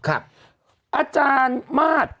อาจารย์มาส